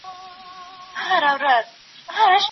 دوی به خپلي ستونزې په لیکلو کي حل کړي.